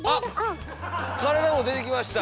体も出てきました。